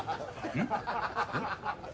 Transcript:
うん？